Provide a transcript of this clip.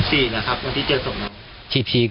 วันที่๑๔นะครับวันที่เจอส่งน้อง